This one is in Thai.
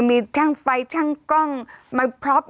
มันยังมีทางไอ้กล้อง